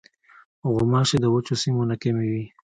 غوماشې د وچو سیمو نه کمې وي.